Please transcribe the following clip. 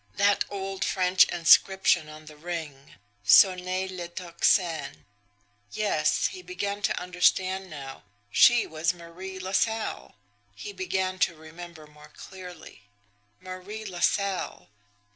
That old French inscription on the ring: "SONNEZ LE TOCSIN!" Yes; he began to understand now. She was Marie LaSalle! He began to remember more clearly. Marie LaSalle!